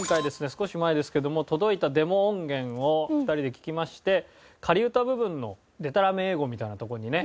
少し前ですけども届いたデモ音源を２人で聴きまして仮歌部分のデタラメ英語みたいなとこにね